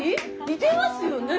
似てますよね！